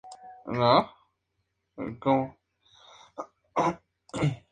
En el segundo grupo se diferencian principalmente por el manguito brida o elemento brida.